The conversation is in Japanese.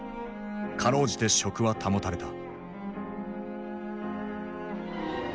かろうじて職は保たれた。